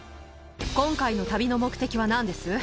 今回の旅の目的はなんです？